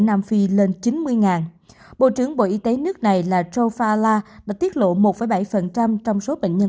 nam phi lên chín mươi bộ trưởng bộ y tế nước này là rofala đã tiết lộ một bảy trong số bệnh nhân